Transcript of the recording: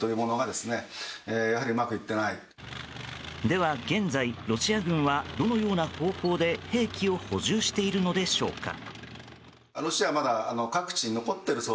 では現在、ロシア軍はどのような方法で兵器を補充しているのでしょうか。